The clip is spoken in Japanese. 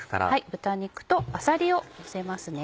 豚肉とあさりをのせますね。